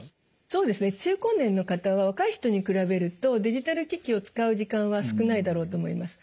そうですね中高年の方は若い人に比べるとデジタル機器を使う時間は少ないだろうと思います。